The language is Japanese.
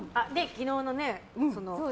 昨日のね。